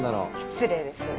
失礼ですね。